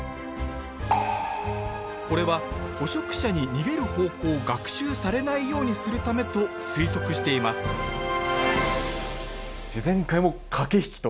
これは捕食者に逃げる方向を学習されないようにするためと推測していますそうですね。